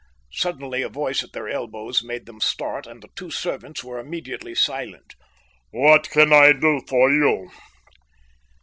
Suddenly a voice at their elbows made them start, and the two servants were immediately silent. "What can I do for you?"